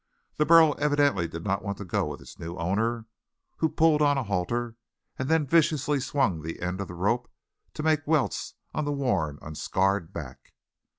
The burro evidently did not want to go with its new owner, who pulled on a halter and then viciously swung the end of the rope to make welts on the worn and scarred back.